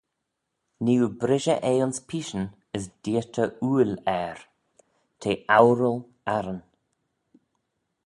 Nee oo brishey eh ayns peeshyn as deayrtey ooil er: te oural-arran.